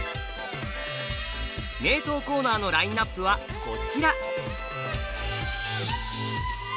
名刀コーナーのラインナップはこちら。